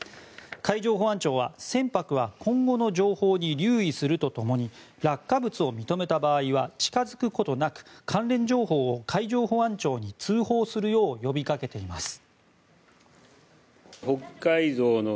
海上保安庁は船舶は今後の情報に留意すると共に落下物を認めた場合は近づくことなく、関連情報を海上保安庁に通報するよう呼びかけています。